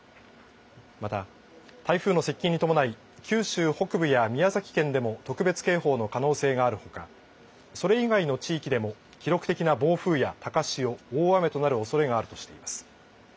また、台風の接近に伴い九州北部や宮崎県でも特別警報の可能性があるほか、それ以外の地域でも記録的な暴風や高潮、大雨となるおそれがあるとしています。